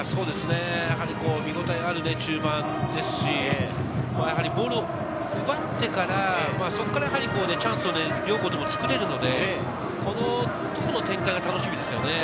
やはり見応えある中盤ですし、ボールを奪ってから、そこからチャンスを両校ともつくれるので、その展開が楽しみですね。